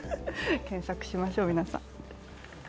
検索しましょう、皆さん。